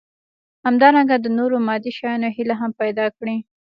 همدارنګه د نورو مادي شيانو هيلې هم پيدا کړي.